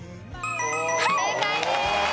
正解です。